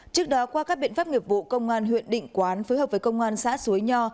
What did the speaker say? trước đó qua các biện pháp nghiệp vụ công an huyện định quán phối hợp với công an xã suối nho